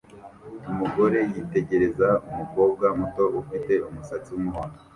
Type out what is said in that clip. Umugore yitegereza umukobwa muto ufite umusatsi wumuhondo